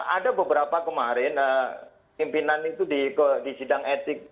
ada beberapa kemarin pimpinan itu di sidang etik